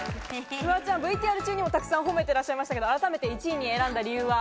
フワちゃん、ＶＴＲ中にも褒めていましたが、改めて１位に選んだ理由は？